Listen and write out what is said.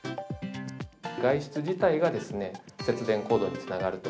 外出自体が節電行動につながると。